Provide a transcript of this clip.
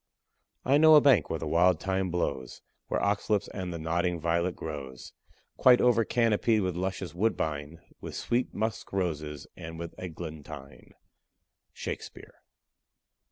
I know a bank where the wild thyme blows, Where ox lips and the nodding violet grows, Quite over canopied with luscious woodbine, With sweet musk roses and with eglantine. SHAKESPEARE.